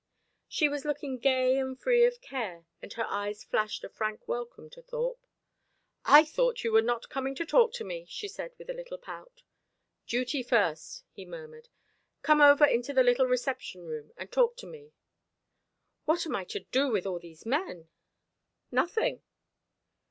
She was looking gay and free of care, and her eyes flashed a frank welcome to Thorpe. "I thought you were not coming to talk to me," she said, with a little pout. "Duty first," he murmured. "Come over into the little reception room and talk to me." "What am I to do with all these men?" "Nothing."